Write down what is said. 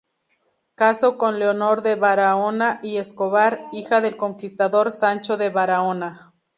Casó con Leonor de Barahona y Escobar, hija del conquistador Sancho de Barahona.